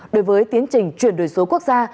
đối với tiến trình chuyển đổi số quốc gia